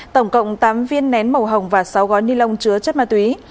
tổng cộng tám viên nén màu hồng và sáu gói ni lông chứa chất ma túy